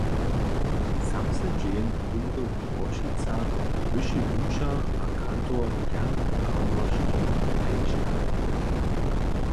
Samsny dźeń wumrě w Poršicach wyši wučer a kantor Jan Arnošt Hančka.